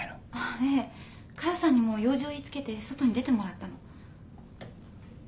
カヨさんにも用事を言いつけて外に出てもらったの。